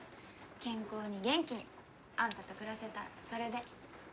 健康に元気にあんたと暮らせたらそれで。